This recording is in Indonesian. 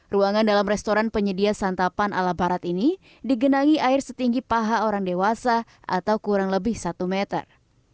ruangan dalam restoran penyedia santapan ala barat ini digenangi air setinggi paha orang dewasa atau kurang lebih satu meter